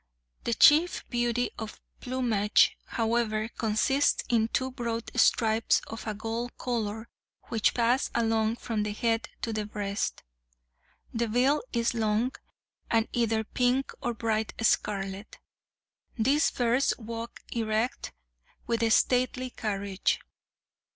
The chief beauty of plumage, however, consists in two broad stripes of a gold color, which pass along from the head to the breast. The bill is long, and either pink or bright scarlet. These birds walk erect; with a stately carriage.